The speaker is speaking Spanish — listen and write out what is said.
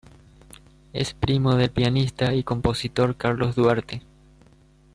Es primo del pianista y compositor Carlos Duarte.